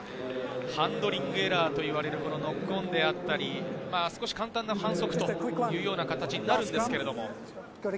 ハンドリングエラーといわれるノックオンであったり、少し簡単な反則というような形なるんですけれど。